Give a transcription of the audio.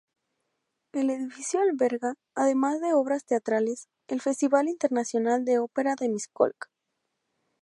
El edificio alberga, además de obras teatrales, el Festival Internacional de Ópera de Miskolc.